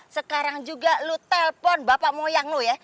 sekarang juga lu telpon bapak moyang lu ya